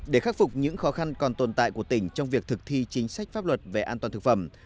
để khắc phục những khó khăn còn tồn tại của tỉnh trong việc thực thi chính sách pháp luật về an toàn thực phẩm